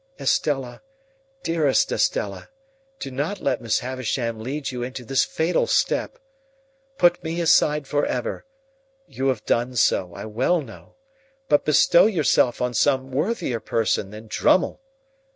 "Estella, dearest Estella, do not let Miss Havisham lead you into this fatal step. Put me aside for ever,—you have done so, I well know,—but bestow yourself on some worthier person than Drummle.